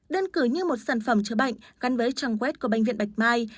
đơn cử như một sản phẩm chữa bệnh gắn với trang web của bệnh viện bạch mai